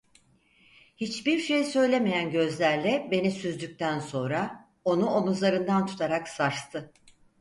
Hiçbir şey söylemeyen gözlerle beni süzdükten sonra onu omuzlarından tutarak sarstı.